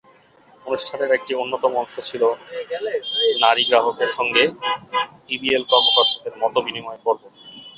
অনুষ্ঠানের একটি অন্যতম অংশ ছিল নারী গ্রাহকের সঙ্গে ইবিএল কর্মকর্তাদের মতবিনিময় পর্ব।